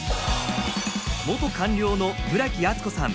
元官僚の村木厚子さん。